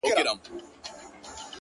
• او ستا پر قبر به؛